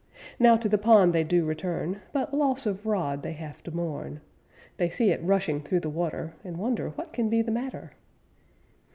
Now to the pond they do return, But loss of rod they have to mourn, They see it rushing through the water, And wonder what can be the matter.